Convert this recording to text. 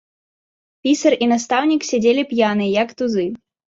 Пісар і настаўнік сядзелі п'яныя, як тузы.